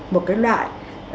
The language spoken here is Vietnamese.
một cái loại